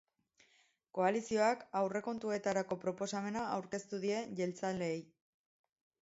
Koalizioak aurrekontuetarako proposamena aurkeztu die jeltzaleei.